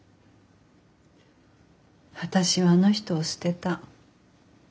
私はあの人を捨てた。